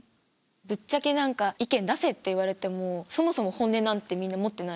ぶっちゃけ何か意見出せって言われてもそもそも本音なんてみんな持ってない。